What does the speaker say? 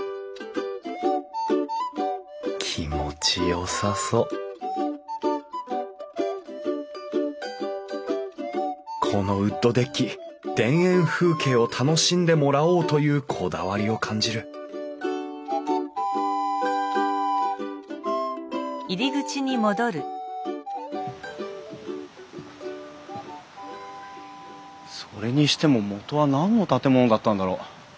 気持ちよさそうこのウッドデッキ田園風景を楽しんでもらおうというこだわりを感じるそれにしてももとは何の建物だったんだろう。